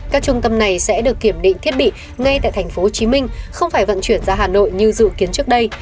các trung tâm này sẽ được kiểm định thiết bị ngay tại tp hcm không phải vận chuyển ra hà nội như dự kiến trước đây